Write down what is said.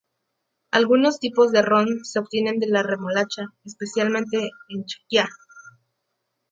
Algunos tipos de ron se obtienen de la remolacha, especialmente en Chequia.